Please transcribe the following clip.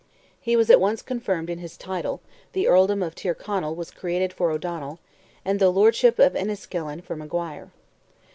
He was at once confirmed in his title, the Earldom of Tyrconnell was created for O'Donnell, and the Lordship of Enniskillen for Maguire.